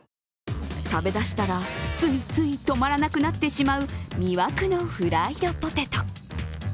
食べ出したら、ついつい止まらなくなってしまう魅惑のフライドポテト。